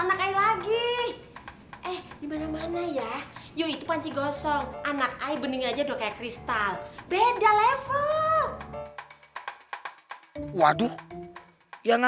anak lagi eh dimana mana ya yuk panci gosong anak iben aja doa kristal beda level waduh yang